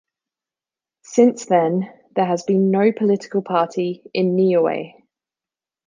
Since then, there has been no political party in Niue.